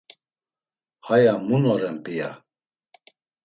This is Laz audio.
Haya mun oren p̌ia?